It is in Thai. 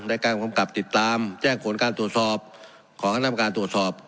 ในการกำกับติดตามแจ้งผลการตรวจสอบของคณะกรรมการตรวจสอบ